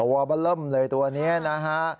ตัวบัดเริ่มเลยตัวนี้นะฮะ